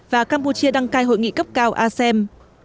và campuchia đăng cai hội nghị cấp cao asem